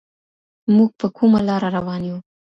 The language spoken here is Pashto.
موږ په کومه لاره روان يو؟